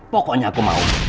pokoknya aku mau